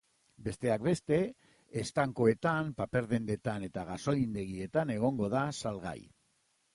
Besteak beste, estankoetan, paper-dendetan eta gasolindegietan egongo da salgai.